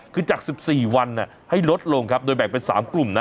คือจากสิบสี่วันน่ะให้ลดลงครับโดยแบ่งเป็นสามกลุ่มน่ะ